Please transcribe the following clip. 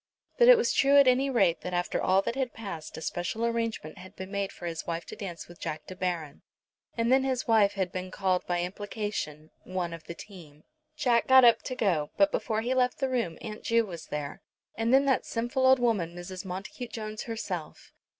But it was true at any rate that after all that had passed a special arrangement had been made for his wife to dance with Jack De Baron. And then his wife had been called by implication, "One of the team." Jack got up to go, but before he left the room Aunt Ju was there, and then that sinful old woman Mrs. Montacute Jones herself.